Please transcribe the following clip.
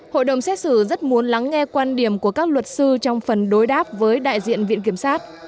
hội đồng xét xử rất muốn lắng nghe quan điểm của các luật sư trong phần đối đáp với đại diện viện kiểm sát